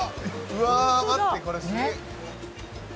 うわ待ってこれすげ。